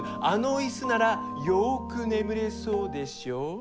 あの椅子ならよく眠れそうでしょう？